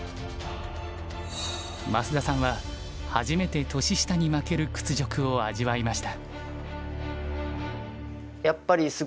増田さんは初めて年下に負ける屈辱を味わいました。